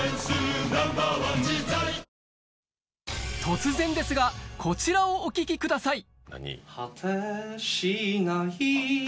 突然ですがこちらをお聴きください